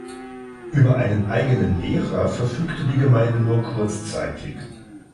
Über einen eigenen Lehrer verfügte die Gemeinde nur kurzzeitig.